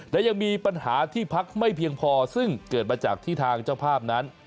และยังมีปัญหาที่พักไม่เพียงพอซึ่งเกิดมาจากที่ทางเจ้าภาพนั้น